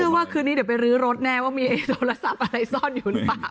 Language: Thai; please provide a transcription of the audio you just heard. ว่าคืนนี้เดี๋ยวไปรื้อรถแน่ว่ามีโทรศัพท์อะไรซ่อนอยู่หรือเปล่า